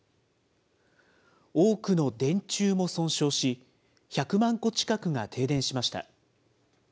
多くの電柱も損傷し、１００万戸近くが停電しました。